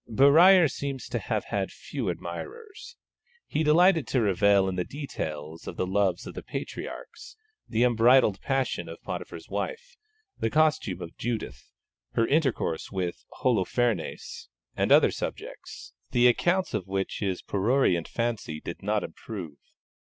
Berruyer seems to have had few admirers. He delighted to revel in the details of the loves of the patriarchs, the unbridled passion of Potiphar's wife, the costume of Judith, her intercourse with Holophernes, and other subjects, the accounts of which his prurient fancy did not improve.